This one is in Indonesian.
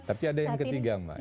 tapi ada yang ketiga mbak